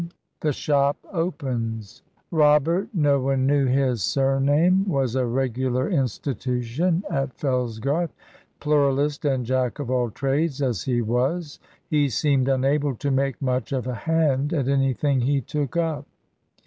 THE SHOP OPENS. Robert no one knew his surname was a regular institution at Fellsgarth. Pluralist and jack of all trades as he was, he seemed unable to make much of a hand at anything he took up.